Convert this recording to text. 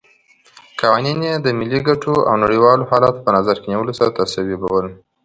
قوانین یې د ملي ګټو او نړیوالو حالاتو په نظر کې نیولو سره تصویبول.